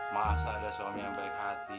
masa ada suami yang baik hati